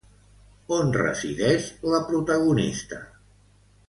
On resideix la protagonista?